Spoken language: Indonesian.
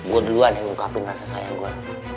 gue duluan yang ngungkapin rasa sayang gue